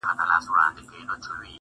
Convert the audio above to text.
• چي مغلوبه سي تیاره رڼا ځلېږي,